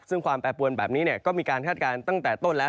ซึ่งความแปรปวนแบบนี้ก็มีการคาดการณ์ตั้งแต่ต้นแล้ว